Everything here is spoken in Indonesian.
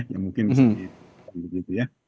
yang mungkin bisa jadi begitu ya